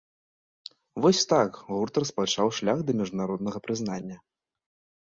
Вось так гурт распачаў шлях да міжнароднага прызнання.